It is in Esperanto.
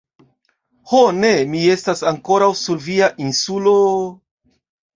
Ho ne, mi estas ankoraŭ sur via Insulo...